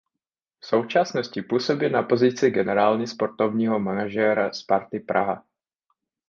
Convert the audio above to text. V současnosti působí na pozici generální sportovního manažera Sparty Praha.